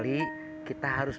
ih apaan sih